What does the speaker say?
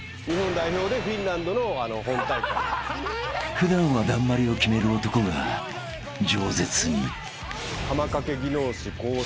［普段はだんまりを決める男が冗舌に］